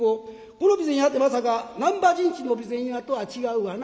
この備前屋ってまさか難波新地の備前屋とは違うわな？」。